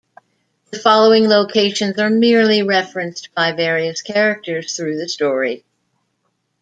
The following locations are merely referenced by various characters through the story.